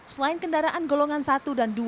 selain kendaraan golongan satu dan dua